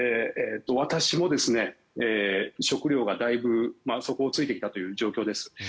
私も食料がだいぶ底を突いてきたという状況です。